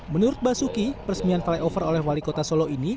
menurut basuki peresmian flyover oleh wali kota solo ini